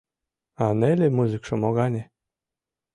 — А неле музыкшо могане?